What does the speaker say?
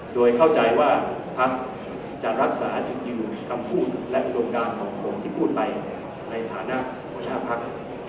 โดยเข้าใจว่าพักจะรักษาอยู่ความนัดพูดและโภคที่พูดไปในทางของหน้าพัก